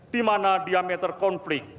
dimana diameter konflik